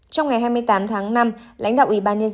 trong ngày hai mươi tám tháng năm lãnh đạo ibanez